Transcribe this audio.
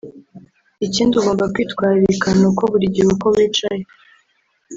Ikindi ugomba kwitwararika ni uko buri gihe uko wicaye